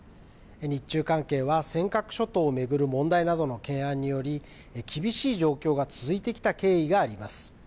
日中関係は尖閣諸島を巡る問題などの懸案により、厳しい状況が続いてきた経緯があります。